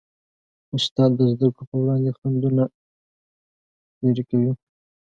استاد د زدهکړو په وړاندې خنډونه لیرې کوي.